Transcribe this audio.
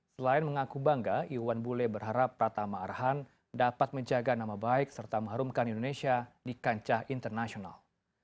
selain mengaku bangga iwan bule berharap pratama arhan dapat menjaga nama baik serta mengharumkan indonesia di kancah internasional